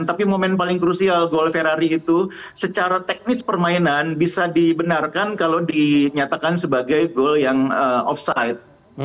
tapi momen paling krusial gol ferari itu secara teknis permainan bisa dibenarkan kalau dinyatakan sebagai gol yang offside